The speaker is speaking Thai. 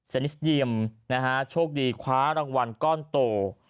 นิสเยียมนะฮะโชคดีคว้ารางวัลก้อนโต